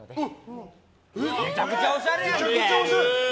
めちゃくちゃおしゃれ！